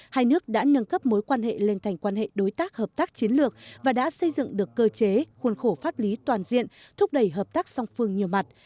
hai nước đã nâng cấp mối quan hệ lên thành quan hệ đối tác hợp tác chiến lược và đã xây dựng được cơ chế khuôn khổ pháp lý toàn diện thúc đẩy hợp tác song phương nhiều mặt